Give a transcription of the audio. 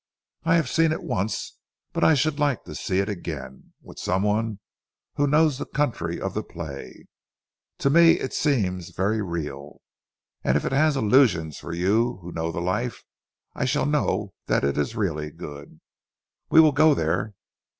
I have seen it once, but I should like to see it again, with some one who knows the country of the play. To me it seems very real, and if it has illusions for you who know the life, I shall know that it is really good. We will go there.